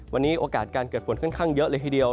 วันนี้โอกาสการเกิดฝนค่อนข้างเยอะเลยทีเดียว